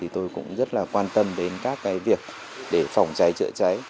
tôi cũng rất là quan tâm đến các việc để phòng cháy chữa cháy